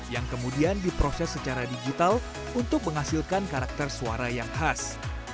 yang kemudian diproses secara digital untuk menghasilkan karakter suara yang khas